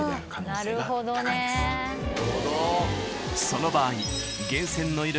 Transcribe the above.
［その場合］